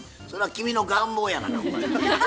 それは君の願望やがなほんまに。